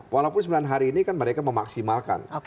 walaupun sembilan hari ini kan mereka memaksimalkan